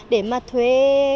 để mà thuê